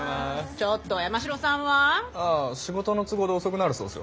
ちょっと山城さんは？ああ仕事の都合で遅くなるそうですよ。